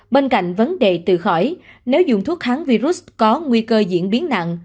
bên cạnh vấn đề từ khỏi nếu dùng thuốc kháng virus có nguy cơ diễn biến nặng